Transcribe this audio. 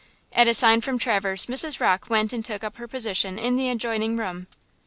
At a sign from Traverse Mrs. Rocke went and took up her position in the adjoining room.